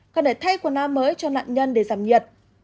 còn để thay quần áo mới cho nạn nhân để giảm nhiệt